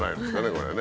これね。